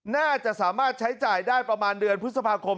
น่าจะสามารถใช้จ่ายได้ประมาณเดือนพฤษภาคม